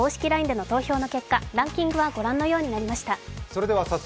ＬＩＮＥでの投票の結果ランキングはご覧のようになりました。